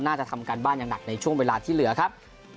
ทำการบ้านอย่างหนักในช่วงเวลาที่เหลือครับ